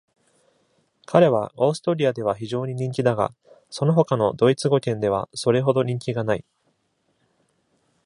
彼はオーストリアでは非常に人気だが、その他のドイツ語圏ではそれほど人気がない。